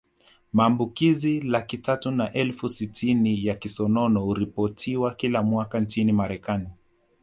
Maambukizi laki tatu na elfu sitini ya kisonono huripotiwa kila mwaka nchini Marekani